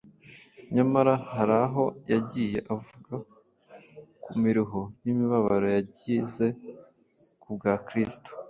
nyamara hari aho yagiye avuga ku miruho n’imibabaro yagize ku bwa Kristo.